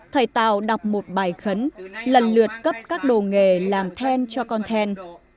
thầy tào đọc một bài khấn lần lượt cấp các đồ nghề làm then cho con then